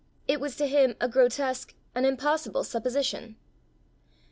It was to him a grotesque, an impossible supposition.